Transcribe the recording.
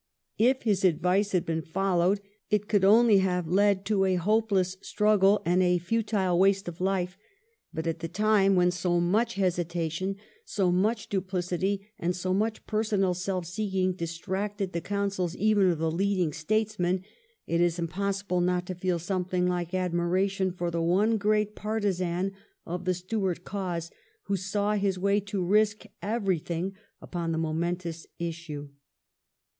If his advice had been followed it could only have led to a hopeless struggle and a futile waste of life ; but at a time when so much hesitation, so much duplicity, and so much personal self seeking distracted the counsels even of the leading statesmen it is impossible not to feel something like admiration for the one great partizan of the Stuart cause who saw his way to risk every thing upon the momentous issue.